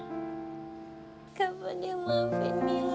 kak fadil maafin mila